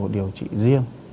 điều trị riêng